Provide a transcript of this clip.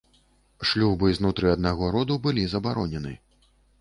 Шлюбы знутры аднаго роду былі забаронены.